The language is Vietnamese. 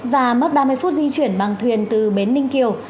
và mất ba mươi phút di chuyển bằng thuyền từ bến ninh kiều